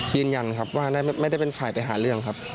ยืนยันครับว่าไม่ได้เป็นฝ่ายไปหาเรื่องครับ